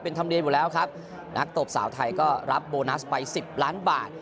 เป็นธรรมเนียมอยู่แล้วครับนักตบสาวไทยก็รับโบนัสไปสิบล้านบาท